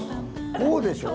こうでしょう？